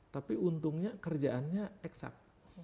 tapi untungnya kerjaannya exact